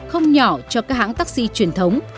không nhỏ cho các hãng taxi truyền thống